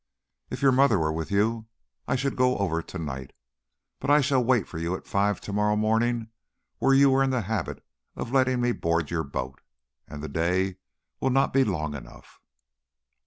"If your mother were with you, I should go over to night. But I shall wait for you at five to morrow morning where you were in the habit of letting me board your boat. And the day will not be long enough!